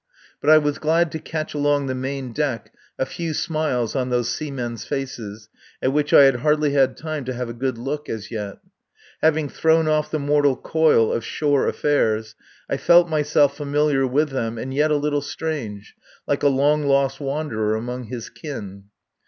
But I was glad to catch along the main deck a few smiles on those seamen's faces at which I had hardly had time to have a good look as yet. Having thrown off the mortal coil of shore affairs, I felt myself familiar with them and yet a little strange, like a long lost wanderer among his kin.